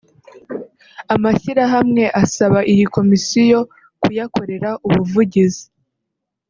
amashyirahamwe asaba iyi komisiyo kuyakorera ubuvugizi